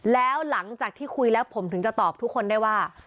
แล้วหลังจากที่คุยแล้วผมถึงจะตอบทุกคนได้ว่า